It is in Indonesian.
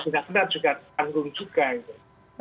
jika ditandat juga tanggung juga itu